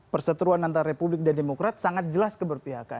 perseteruan antara republik dan demokrat sangat jelas ke berpihak